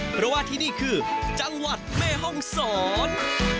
เพราะว่าที่นี่คือจังหวัดแม่ห้องศร